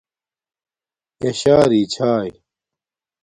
یݳ شݳ رِݵ چھݳئی.